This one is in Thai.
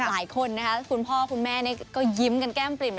หลายคนนะคะคุณพ่อคุณแม่ก็ยิ้มกันแก้มปริ่ม